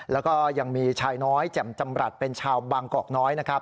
แล้วก็ยังมีชายน้อยแจ่มจำรัฐเป็นชาวบางกอกน้อยนะครับ